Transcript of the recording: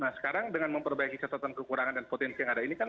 nah sekarang dengan memperbaiki catatan kekurangan dan potensi yang ada ini kan